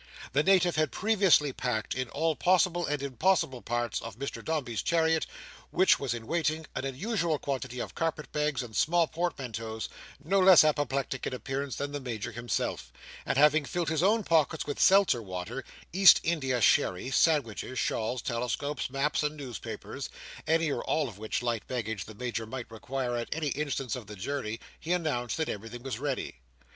The Native had previously packed, in all possible and impossible parts of Mr Dombey's chariot, which was in waiting, an unusual quantity of carpet bags and small portmanteaus, no less apoplectic in appearance than the Major himself: and having filled his own pockets with Seltzer water, East India sherry, sandwiches, shawls, telescopes, maps, and newspapers, any or all of which light baggage the Major might require at any instant of the journey, he announced that everything was ready.